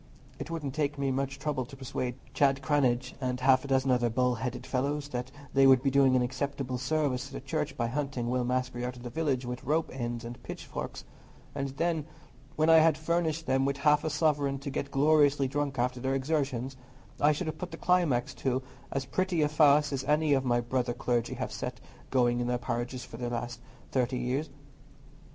It wouldn't take me much trouble to persuade Chad Cranage and half a dozen other bull headed fellows that they would be doing an acceptable service to the Church by hunting Will Maskery out of the village with rope ends and pitchforks; and then, when I had furnished them with half a sovereign to get gloriously drunk after their exertions, I should have put the climax to as pretty a farce as any of my brother clergy have set going in their parishes for the last thirty years."